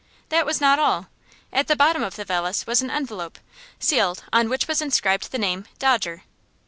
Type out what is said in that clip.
That was not all. At the bottom of the valise was an envelope, sealed, on which was inscribed the name: "Dodger."